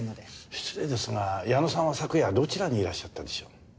失礼ですが矢野さんは昨夜どちらにいらっしゃったんでしょう？